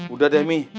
udah deh mi